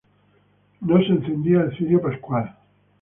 No se encendía el cirio pascual.